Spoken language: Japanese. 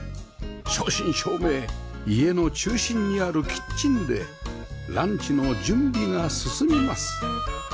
正真正銘家の中心にあるキッチンでランチの準備が進みます